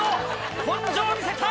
根性を見せたい！